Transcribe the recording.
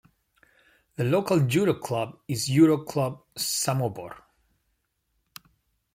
The local judo club is Judo Klub Samobor.